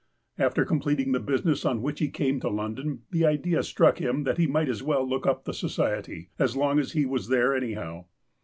After comjDleting the business on which he came to London, the idea struck him that he might as well look up the Society, as long as he was there anyhow.